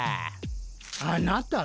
あなたは？